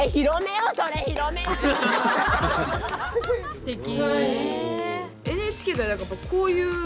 すてき。